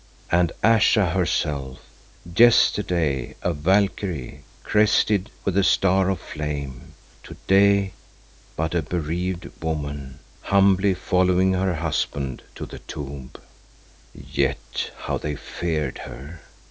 And Ayesha herself, yesterday a Valkyrie crested with the star of flame, to day but a bereaved woman humbly following her husband to the tomb. Yet how they feared her!